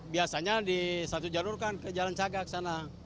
biasanya di satu jalur kan ke jalan cagak sana